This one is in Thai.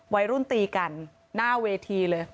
วัยรุ่นตีกันหน้าเวทีเลย